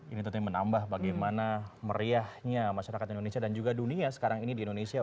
ini tentunya menambah bagaimana meriahnya masyarakat indonesia dan juga dunia sekarang ini di indonesia